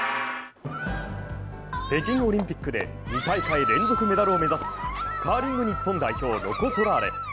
北京オリンピックで２大会連続メダルを目指すカーリング日本代表、ロコ・ソラーレ。